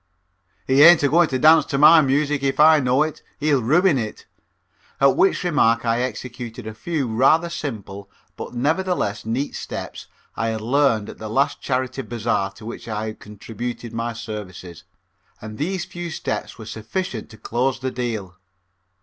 "He ain't agoing to dance to my music if I know it. He'll ruin it." At which remark I executed a few rather simple but nevertheless neat steps I had learned at the last charity Bazaar to which I had contributed my services, and these few steps were sufficient to close the deal.